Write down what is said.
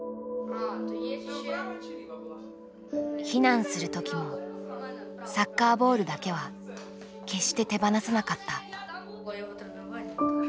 避難する時もサッカーボールだけは決して手放さなかった。